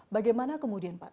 bagaimana kemudian pak